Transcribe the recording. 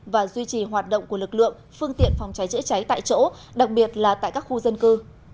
và duy trì hoạt động của lực lượng phương tiện phòng cháy chữa cháy tại chỗ đặc biệt là tại các khu dân cư